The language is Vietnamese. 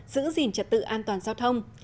giữ gìn trật tự an toàn giao thông